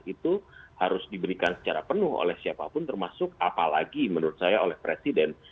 itu harus diberikan secara penuh oleh siapapun termasuk apalagi menurut saya oleh presiden